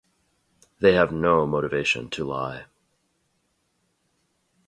They have no motivation to lie.